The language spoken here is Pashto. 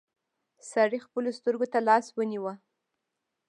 سړي خپلو سترګو ته لاس ونيو.